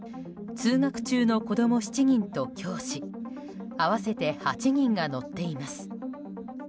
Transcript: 通学中の子供７人と教師合わせて８人が乗っています。